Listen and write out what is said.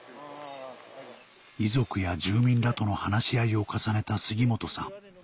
遺族や住民らとの話し合いを重ねた杉本さん